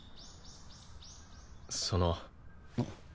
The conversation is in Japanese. その。